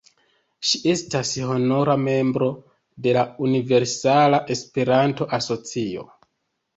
Ŝi estis honora membro de la Universala Esperanto-Asocio.